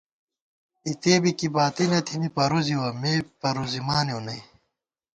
اِتےبی کی باتی تہ تھنی پرُوزِوَہ ، مے پرُوزِمانېؤ نئ